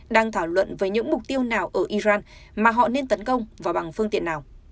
đang thảo luận về những mục tiêu nào ở iran mà họ nên tấn công vào bằng phương tiện nào